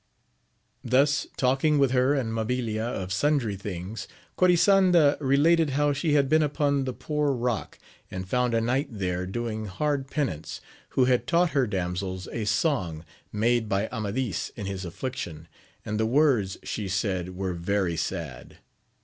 Thus talking with her and Mabilia of sundry things, Corisanda related how she had been upon the Poor Eock, and found a knight there doing hard penance, who had taught her damsels a song made by Amadis in his affliction, and the words, she said, were very sad.